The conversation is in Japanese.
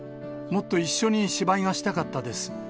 もっと一緒に芝居がしたかったです。